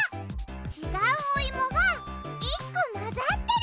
違うおいもが１個混ざってる。